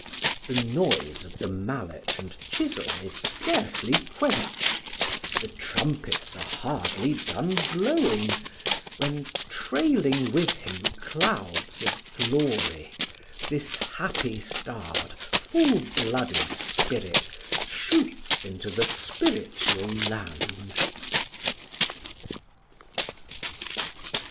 The noise of the mallet and chisel is scarcely quenched, the trumpets are hardly done blowing, when, trailing with him clouds of glory, this happy starred, full blooded spirit shoots into the spiritual land.